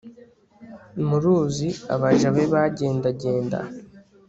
mu ruzi abaja be bagendagenda